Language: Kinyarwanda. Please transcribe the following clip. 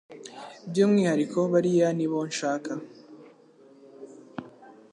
byumwihariko bariya nibo nshaka